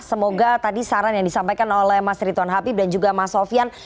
semoga tadi saran yang disampaikan oleh mas rituan habib dan juga mas sofian